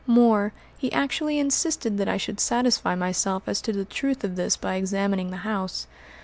More, he actually insisted that I should satisfy myself as to the truth of this by examining the house."